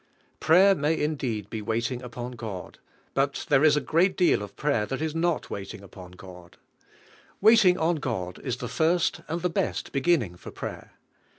Prayer ma}^ be indeed waiting upon God, but there is a great deal of prayer that is not waiting upon God. Waiting on God is the first and the best beginning for prayer.